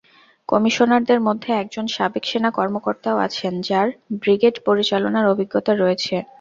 কমিশনারদের মধ্যে একজন সাবেক সেনা কর্মকর্তাও আছেন, যাঁর ব্রিগেড পরিচালনার অভিজ্ঞতা রয়েছে।